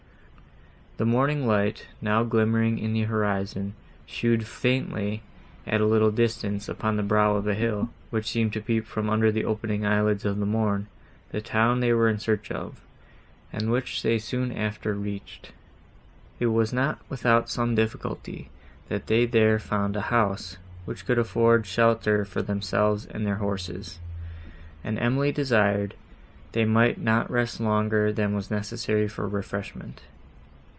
The morning light, now glimmering in the horizon, showed faintly, at a little distance, upon the brow of a hill, which seemed to peep from "under the opening eye lids of the morn," the town they were in search of, and which they soon after reached. It was not without some difficulty, that they there found a house, which could afford shelter for themselves and their horses; and Emily desired they might not rest longer than was necessary for refreshment.